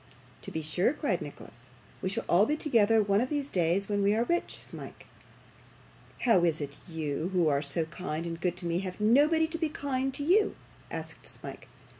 'To be sure,' cried Nicholas; 'we shall all be together one of these days when we are rich, Smike.' 'How is it that you, who are so kind and good to me, have nobody to be kind to you?' asked Smike.